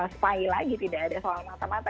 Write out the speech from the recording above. spy lagi tidak ada soal mata mata